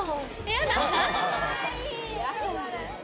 嫌だ？